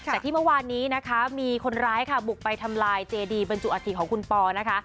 แต่ที่เมื่อวานนี้นะคะมีคนร้ายค่ะบุกไปทำลายเจดีบรรจุอาธิของคุณปอนะคะ